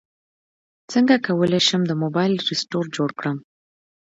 څنګه کولی شم د موبایل رسټور جوړ کړم